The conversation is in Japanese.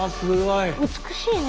美しいね。